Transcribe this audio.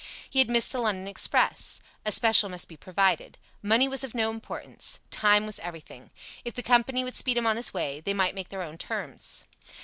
He had missed the London express. A special must be provided. Money was of no importance. Time was everything. If the company would speed him on his way, they might make their own terms.